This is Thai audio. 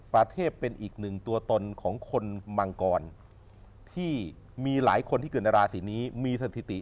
ประเทศเป็นอีกหนึ่งตัวตนของคนมังกรที่มีหลายคนที่เกิดในราศีนี้มีสถิติ